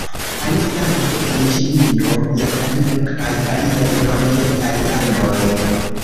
Aliflanke en Ĉinio, Japanio kaj aliaj orientaj landoj.